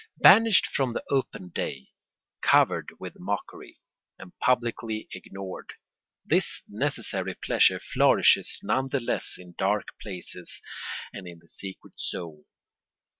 ] Banished from the open day, covered with mockery, and publicly ignored, this necessary pleasure flourishes none the less in dark places and in the secret soul.